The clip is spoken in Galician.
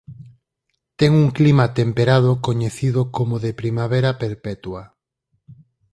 Ten unha clima temperado coñecido como de "primavera perpetua".